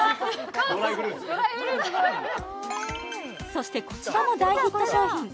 そしてこちらも大ヒット商品